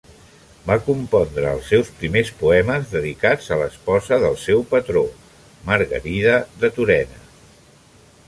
Va compondre els seus primers poemes dedicats a l'esposa del seu patró, Margarida de Turena.